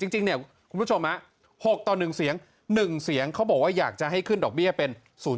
จริงเนี่ยคุณผู้ชม๖ต่อ๑เสียง๑เสียงเขาบอกว่าอยากจะให้ขึ้นดอกเบี้ยเป็น๐๔